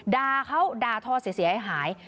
ดาเขาดาทอเสียให้หาย